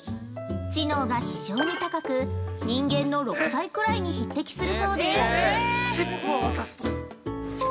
知能が非常に高く、人間の６歳ぐらいに匹敵するそうです。